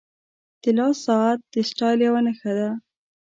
• د لاس ساعت د سټایل یوه نښه ده.